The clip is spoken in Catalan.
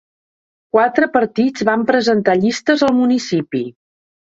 Quatre partits van presentar llistes al municipi.